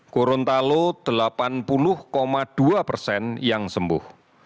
gorontalo delapan puluh dua persen yang sembuh